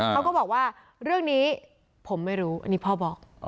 เขาก็บอกว่าเรื่องนี้ผมไม่รู้อันนี้พ่อบอก